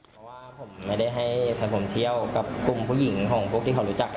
เพราะว่าผมไม่ได้ให้ผมเที่ยวกับกลุ่มผู้หญิงของพวกที่เขารู้จัก